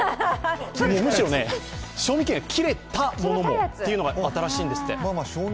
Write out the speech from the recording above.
むしろ賞味期限が切れたものもというのが新しいんですって。